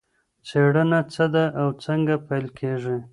څېړنه څه ده او څنګه پیل کېږي؟